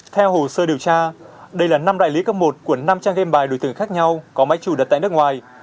theo hồ sơ điều tra đây là năm đại lý cấp một của năm trang gam bài đối tưởng khác nhau có máy chủ đặt tại nước ngoài